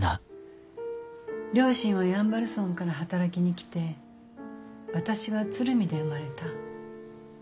両親は山原村から働きに来て私は鶴見で生まれた。